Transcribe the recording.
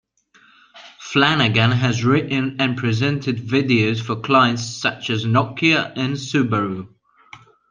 Flanagan has written and presented videos for clients such as Nokia and Subaru.